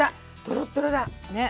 トロットロだ。ね。